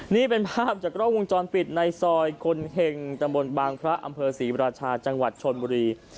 นี่เป็นภาพจากกล้องวงจรปิดในซอยคนเห็งตำบลบางพระอำเภอศรีราชาจังหวัดชนบุรี